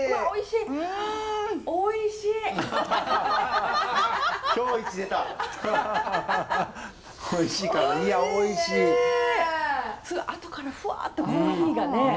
おいしいね。